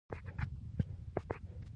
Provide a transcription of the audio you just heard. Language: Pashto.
د باغيانو وژل روا دي.